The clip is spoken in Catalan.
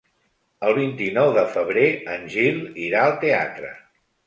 El vint-i-nou de febrer en Gil irà al teatre.